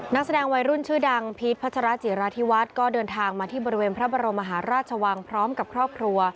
นักแสดงวัยรุ่นชื่อดังพีชพัชราจิราธิวัฒน์ก็เดินทางมาที่บริเวณพระบรมมหาราชวังพร้อมกับครอบครัว